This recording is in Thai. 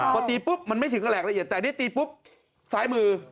พอตีปุ๊บมันไม่ถึงกระแหลกละเอียดแต่อันนี้ตีปุ๊บซ้ายมือ